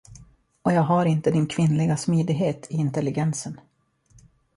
Och jag har inte din kvinnliga smidighet i intelligensen.